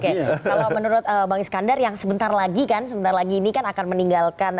kalau menurut bang iskandar yang sebentar lagi kan sebentar lagi ini kan akan meninggalkan